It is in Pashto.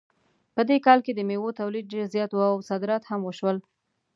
په دې کال کې د میوو تولید ډېر زیات و او صادرات هم وشول